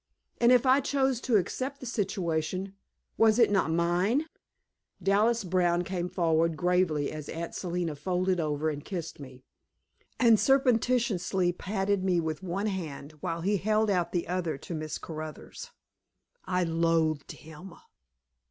And if I chose to accept the situation, was it not mine? Dallas Brown came forward gravely as Aunt Selina folded over and kissed me, and surreptitiously patted me with one hand while he held out the other to Miss Caruthers. I loathed him!